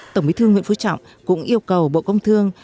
tổng bí thư nguyễn phú trọng cũng yêu cầu bộ công thương